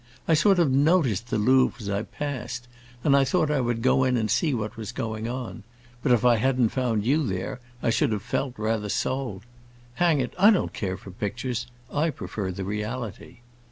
I sort of noticed the Louvre as I passed, and I thought I would go in and see what was going on. But if I hadn't found you there I should have felt rather sold. Hang it, I don't care for pictures; I prefer the reality!"